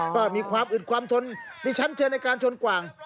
ก็มีความอึดความทนมีชั้นเชิญในการชนกว่าง